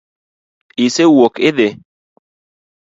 Isewuok idhi?